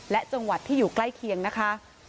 และจังหวัดที่อยู่ใกล้เคียงนะคะ